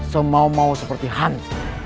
semau mau seperti hantu